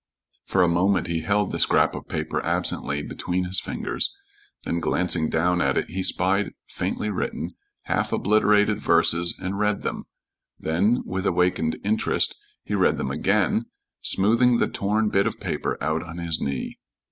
For a moment he held the scrap of paper absently between his fingers, then glancing down at it he spied faintly written, half obliterated verses and read them; then, with awakened interest, he read them again, smoothing the torn bit of paper out on his knee.